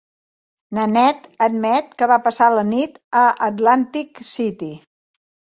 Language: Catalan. Nanette admet que va passar la nit a Atlantic City.